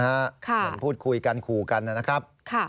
เหมือนพูดคุยกันขู่กันนะครับ